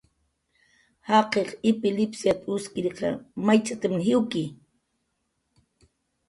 "Jaqiq ipilipsiat"" uskiriq maychat""mn jiwki "